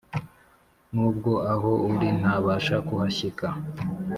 Nubwo aho uri ntabasha kuhashyika